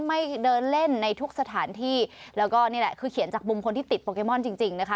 ไม่เดินเล่นในทุกสถานที่แล้วก็นี่แหละคือเขียนจากมุมคนที่ติดโปเกมอนจริงจริงนะคะ